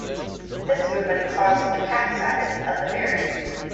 This movement caused the capsize of the ferry.